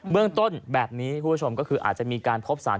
เมืองต้นแบบนี้คุณผู้ชมก็คืออาจจะมีการพบสาร